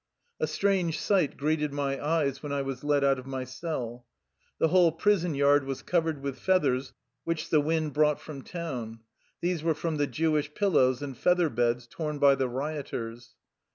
A strange sight greeted my eyes when I was led out of my cell. The whole prison yard was covered with feathers which the wind brought from town. These were from the Jewish pillows and feather beds torn by the rioters.